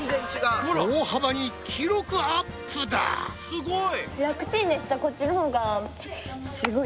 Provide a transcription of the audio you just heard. すごい！